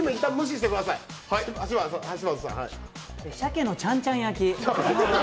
しゃけのちゃんちゃん焼き。